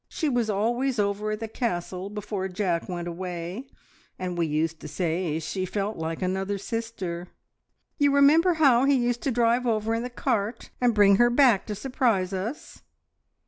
She was always over at the Castle before Jack went away, and we used to say she felt like another sister. You remember how he used to drive over in the cart, and bring her back to surprise us?"